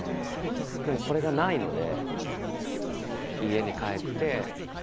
でもこれがないので。